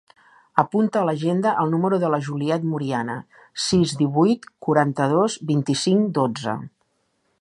Apunta a l'agenda el número de la Juliette Moriana: sis, divuit, quaranta-dos, vint-i-cinc, dotze.